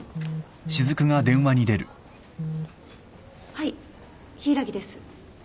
はい柊木です。